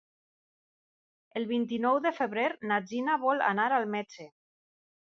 El vint-i-nou de febrer na Gina vol anar al metge.